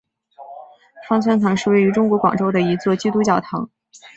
芳村堂是位于中国广州的一座基督教堂。